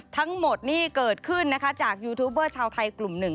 ทั้งหมดนี่เกิดขึ้นนะคะจากยูทูบเบอร์ชาวไทยกลุ่มหนึ่ง